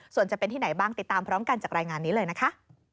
ส่วนจะเป็นที่ไหนบ้างติดตามพร้อมกันจากรายงานนี้เลยนะคะ